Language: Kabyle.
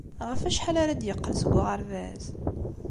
Ɣef wacḥal ara d-yeqqel seg uɣerbaz?